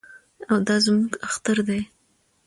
او دا زموږ اختر دی.